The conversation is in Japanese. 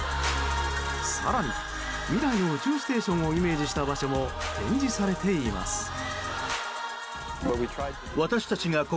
更に未来の宇宙ステーションをイメージした場所も展示されています。